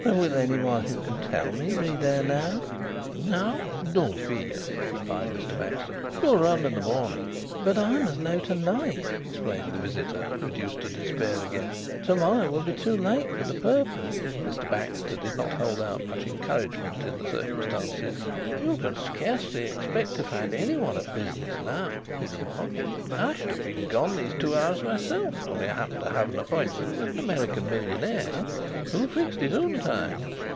But will anyone who can tell me be there now?" "Now? No fear!" replied Mr. Baxter. "Go round in the morning " "But I must know to night," explained the visitor, reduced to despair again. "To morrow will be too late for the purpose." Mr. Baxter did not hold out much encouragement in the circumstances. "You can scarcely expect to find anyone at business now," he remarked. "I should have been gone these two hours myself only I happened to have an appointment with an American millionaire who fixed his own time."